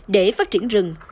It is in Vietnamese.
để phát triển rừng